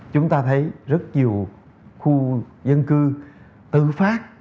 chúng ta thấy rất nhiều khu dân cư tự phát